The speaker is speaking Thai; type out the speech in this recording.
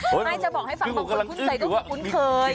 ไม่จะบอกให้ฟังว่าคนคุ้นเคยต้องคุ้นเคย